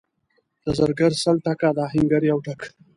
د زرګر سل ټکه، د اهنګر یو ټک.